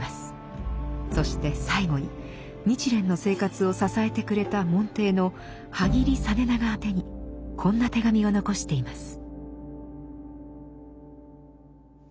そして最後に日蓮の生活を支えてくれた門弟の波木井実長宛てにこんな手紙を残しています。